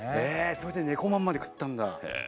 それでねこまんまで食ったんだ。